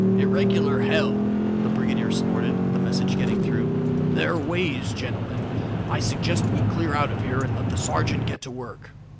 "Irregular, hell," the brigadier snorted, the message getting through. "There're ways. Gentlemen, I suggest we clear out of here and let the sergeant get to work."